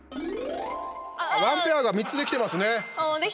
ワンペアが３つできてますね。